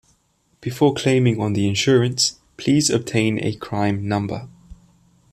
Before claiming on the insurance, please obtain a crime number.